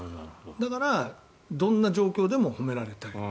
だからどんな状況でも褒められたい。